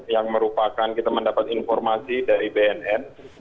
yang merupakan kita mendapat informasi dari bnn